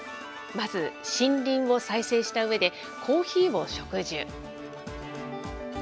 まず森林を再生したうえで、コーヒーを植樹。